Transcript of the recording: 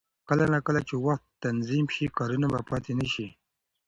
کله نا کله چې وخت تنظیم شي، کارونه به پاتې نه شي.